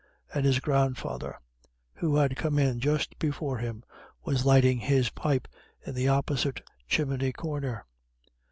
And his grandfather, who had come in just before him, was lighting his pipe in the opposite chimney corner.